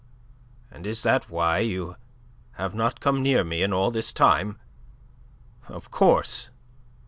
"And is that why you have not come near me in all this time?" "Of course.